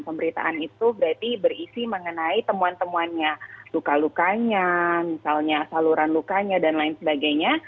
pemberitaan itu berarti berisi mengenai temuan temuannya luka lukanya misalnya saluran lukanya dan lain sebagainya